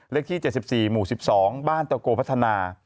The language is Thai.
เลขที่๗๔หมู่๑๒บ้านตะโกพัฒนา